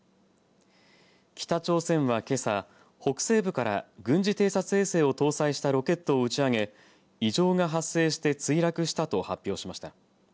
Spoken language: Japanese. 北朝鮮は、けさ北西部から軍事偵察衛星を搭載したロケットを打ち上げ異常が発生して墜落したと発表しました。